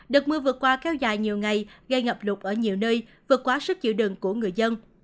đợt mưa vừa qua kéo dài nhiều ngày gây ngập lụt ở nhiều nơi vượt quá sức chịu đựng của người dân